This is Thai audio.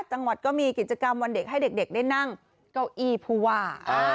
จังหวัดก็มีกิจกรรมวันเด็กให้เด็กได้นั่งเก้าอี้ผู้ว่า